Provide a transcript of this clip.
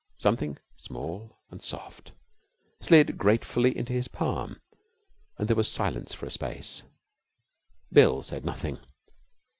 Something small and soft slid gratefully into his palm, and there was silence for a space. Bill said nothing.